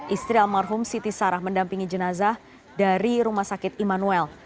istri almarhum siti sarah mendampingi jenazah dari rumah sakit immanuel